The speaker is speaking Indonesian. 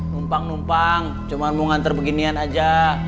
tumpang tumpang cuma mau ngantar beginian aja